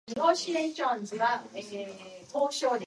American holly tea does not contain caffeine.